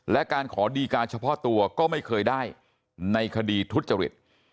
และการขอดีการเฉพาะตัวก็ไม่เคยได้ในคดีทุจริต